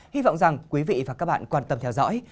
hy vọng rằng quý vị và các bạn quan tâm theo dõi